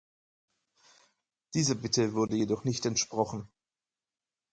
Dieser Bitte wurde jedoch nicht entsprochen.